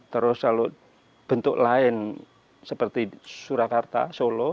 terus kalau bentuk lain seperti surakarta solo